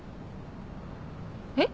えっ？